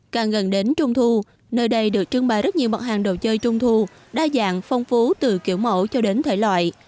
càng gần đến trung thu nơi đây được trưng bày rất nhiều mặt hàng đồ chơi trung thu đa dạng phong phú từ kiểu mẫu cho đến thể loại